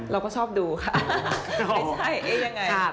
เราก็ชอบดูค่ะไม่ใช่เอ๊ะยังไง